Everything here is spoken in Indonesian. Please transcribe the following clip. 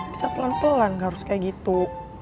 bisa pelan pelan harus kayak gitu